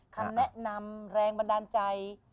คำแนะนำแรงบันดาลใจ